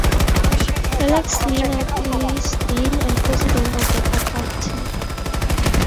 Alex Lienard is Dean and President of the faculty.